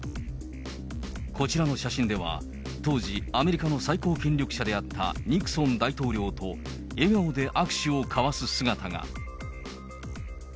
こちらの写真では、当時、アメリカの最高権力者であったニクソン大統領と笑顔で握手を交わす姿が。